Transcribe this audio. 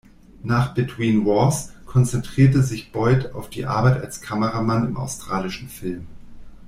Nach "Between Wars" konzentrierte sich Boyd auf die Arbeit als Kameramann im australischen Film.